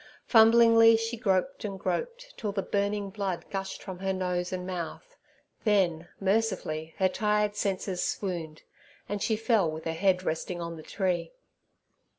Fumblingly she groped and groped, till the burning blood gushed from her nose and mouth; then, mercifully, her tired senses swooned, and she fell with her head resting on the tree.